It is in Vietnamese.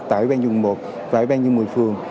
tại ủy ban dân quận một và ủy ban dân một mươi phường